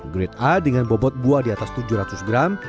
grade a dengan bobot buah di atas tujuh ratus gram